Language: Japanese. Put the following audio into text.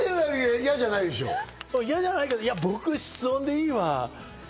嫌じゃないけど、僕、室温でいいわ。